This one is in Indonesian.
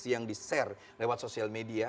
yang di share lewat sosial media